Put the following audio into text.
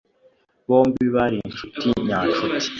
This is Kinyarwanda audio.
Bombi bari inshuti nyanshuti .